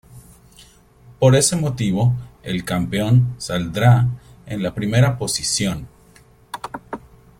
Por ese motivo, el campeón saldrá en la primera posición.